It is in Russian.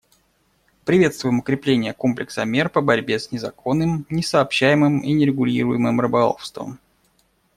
Приветствуем укрепление комплекса мер по борьбе с незаконным, несообщаемым и нерегулируемым рыболовством.